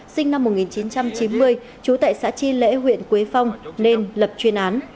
sinh năm một nghìn chín trăm chín mươi trú tại xã chi lễ huyện quế phong nên lập chuyên án